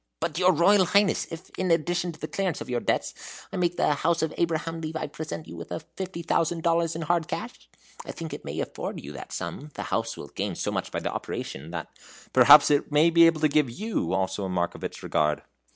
"But, your Royal Highness, if, in addition to the clearance of your debts, I make the house of Abraham Levi present you with fifty thousand dollars in hard cash? I think it may afford you that sum. The house will gain so much by the operation, that " "Perhaps it may be able to give YOU also a mark of its regard."